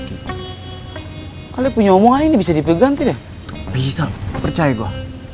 kalau punya omongan ini bisa dipegang tidak bisa percaya bahwa